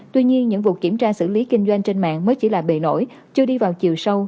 tuy nhiên những vụ kiểm tra xử lý kinh doanh trên mạng mới chỉ là bề nổi chưa đi vào chiều sâu